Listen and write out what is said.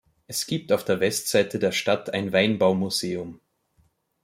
Es gibt auf der Westseite der Stadt ein Weinbaumuseum.